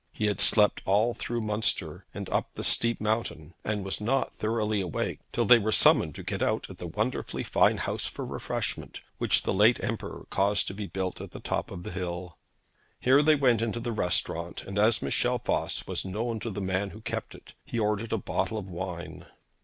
He had slept all through Munster, and up the steep mountain, and was not thoroughly awake till they were summoned to get out at the wonderfully fine house for refreshment which the late Emperor caused to be built at the top of the hill. Here they went into the restaurant, and as Michel Voss was known to the man who kept it, he ordered a bottle of wine.